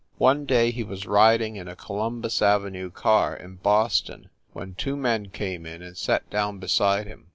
One day he was riding in a Columbus Avenue car, in Boston, when two men came in and sat down be side him.